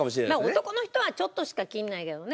男の人はちょっとしか切らないけどね。